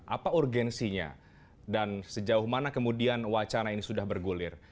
apa urgensinya dan sejauh mana kemudian wacana ini sudah bergulir